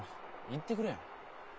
行ってくれよ。